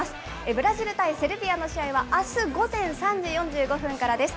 ブラジル対セルビアの試合はあす午前３時４５分からです。